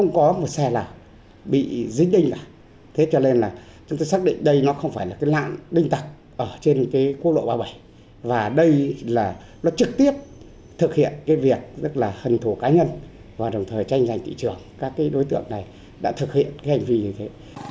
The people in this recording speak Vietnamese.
nó trực tiếp thực hiện việc hần thủ cá nhân và đồng thời tranh giành tỷ trưởng các đối tượng này đã thực hiện hành vi như thế